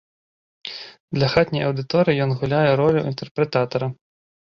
Для хатняй аўдыторыі ён гуляе ролю інтэрпрэтатара.